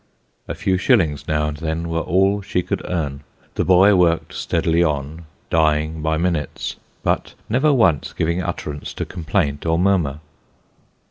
A few shillings now and then, were all she could earn. The boy worked steadily on ; dying by minutes, but never once giving utter ance to complaint or murmur.